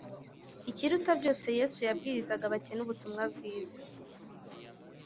Ikiruta byose yesu yabwirizaga abakene ubutumwa bwiza